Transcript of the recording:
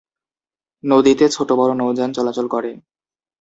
নদীতে ছোটবড় নৌযান চলাচল করে।